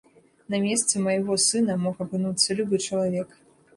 На месцы майго сына мог апынуцца любы чалавек.